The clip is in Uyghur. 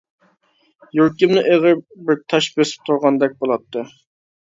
يۈرىكىمنى ئېغىر بىر تاش بېسىپ تۇرغاندەك بولاتتى.